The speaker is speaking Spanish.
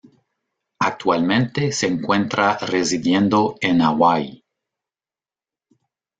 Actualmente se encuentra residiendo en Hawái.